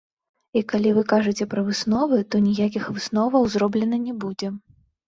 І калі вы кажаце пра высновы, то ніякіх высноваў зроблена не будзе.